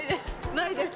ないです。